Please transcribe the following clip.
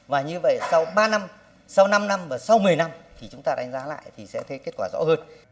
và như vậy sau ba năm sau năm năm và sau một mươi năm thì chúng ta đánh giá lại thì sẽ thấy kết quả rõ hơn